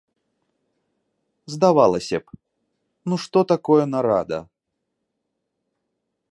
Здавалася б, ну што такое нарада?